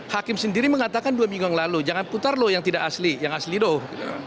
hakim sendiri mengatakan dua minggu yang lalu jangan putar loh yang tidak asli yang asli doh